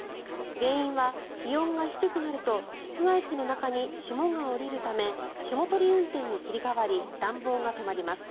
原因は気温が低くなると室外機の中に霜が降りるため霜取り運転に切り替わり暖房が止まります。